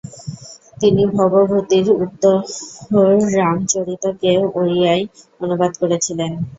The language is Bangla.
তিনি ভবভূতির উত্তররামচরিত কে ওড়িয়ায় অনুবাদ করেছিলেন।